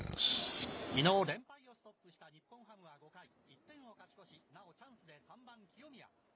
きのう、連敗をストップした日本ハムは５回、１点を勝ち越し、なおチャンスで３番清宮。